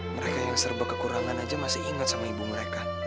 mereka yang serba kekurangan aja masih ingat sama ibu mereka